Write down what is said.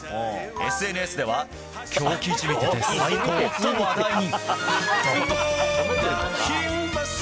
ＳＮＳでは狂気じみてて最高！と話題に。